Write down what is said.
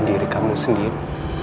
diri kamu sendiri